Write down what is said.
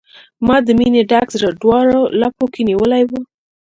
ما د مینې ډک زړه، دواړو لپو کې نیولی و